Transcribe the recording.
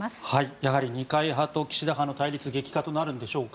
やはり二階派と岸田派の対決が激化となるんでしょうか。